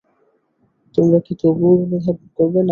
তোমরা কি তবুও অনুধাবন করবে না?